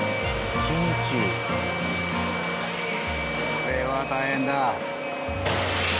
これは大変だ。